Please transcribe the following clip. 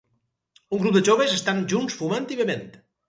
Un grup de joves estan junts fumant i bevent.